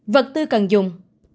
vật tư cần dùng